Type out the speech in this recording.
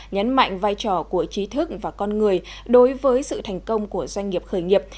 nhấn mạnh vai trò của trí thức và con người đối với sự thành công của doanh nghiệp khởi nghiệp